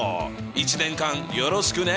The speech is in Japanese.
一年間よろしくね。